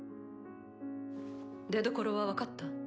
出どころは分かった？